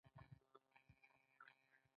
د دې فرضي اجتماع یوه مهمه ځانګړتیا ده.